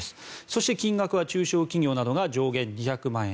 そして金額は中小企業などが上限２００万円